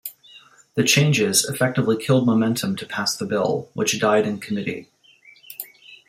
The changes effectively killed momentum to pass the bill, which died in committee.